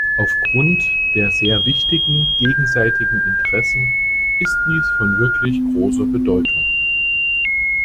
Aufgrund der sehr wichtigen gegenseitigen Interessen ist dies von wirklich großer Bedeutung.